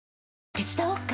手伝おっか？